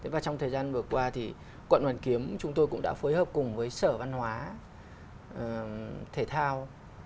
và trong thời gian vừa qua thì quận hoàn kiếm chúng tôi cũng đã phối hợp cùng với sở văn hóa thể thao